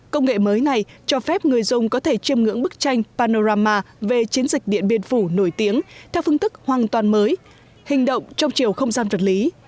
công nghệ mới này cho phép người dùng có thể chiêm ngưỡng bức tranh panorama về chiến dịch điện biên phủ nổi tiếng theo phương thức hoàn toàn mới hình động trong chiều không gian vật lý